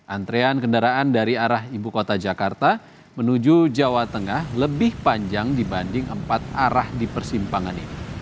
antrean kendaraan dari arah ibu kota jakarta menuju jawa tengah lebih panjang dibanding empat arah di persimpangan ini